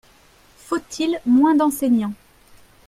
Faut-il moins d’enseignants?